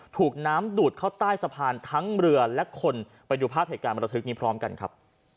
ถูกน้ำดูดเข้าใต้สะพานทั้งเรือและคนไปดูภาพเหตุการณ์บรรทึกนี้พร้อมกันครับ